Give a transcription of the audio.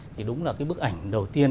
thì đúng là cái bức ảnh đầu tiên